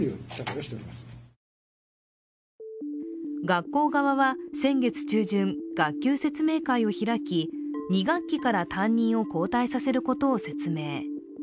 学校側は先月中旬、学級説明会を開き２学期から担任を交代させることを説明。